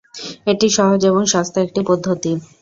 এটি সহজ এবং সস্তা একটি পদ্ধতি।